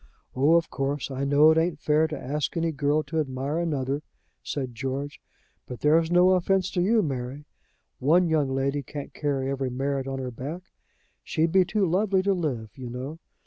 "Oh, of course, I know it ain't fair to ask any girl to admire another," said George. "But there's no offense to you, Mary. One young lady can't carry every merit on her back. She'd be too lovely to live, you know.